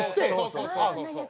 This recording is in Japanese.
そうそうそうそう。